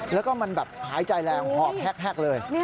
แล้วก็มันแบบหายใจแรงหอบแฮกเลย